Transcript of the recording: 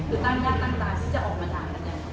คือตั้งยากตั้งตาที่จะออกมาหลังกันแน่